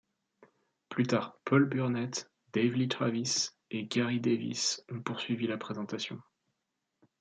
Plus tard, Paul Burnett, Dave Lee Travis et Gary Davies ont poursuivi la présentation.